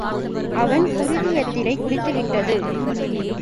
அவன் குருதியைத்தரை குடித்துவிட்டது.